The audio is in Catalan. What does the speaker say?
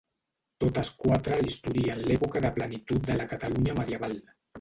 Totes quatre historien l'època de plenitud de la Catalunya medieval.